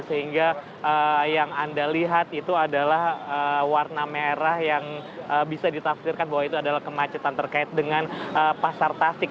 sehingga yang anda lihat itu adalah warna merah yang bisa ditafsirkan bahwa itu adalah kemacetan terkait dengan pasar tasik